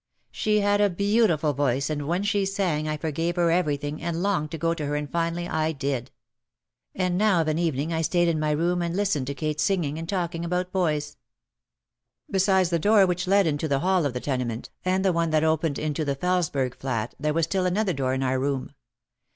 She had a beautiful voice and when she sang I forgave her everything and longed to go to her and finally I did. And now of an evening I stayed in my room and lis tened to Kate singing and talking about boys. Besides the door which led into the hall of the tene ment and the one that opened into the Felesberg flat there was still another door in our room.